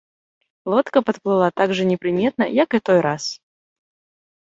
Лодка падплыла так жа непрыметна, як і той раз.